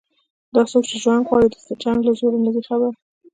دا څوک چې جنګ غواړي د جنګ له زوره نه دي خبر